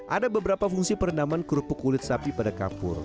ada beberapa fungsi perendaman kerupuk kulit sapi pada kapur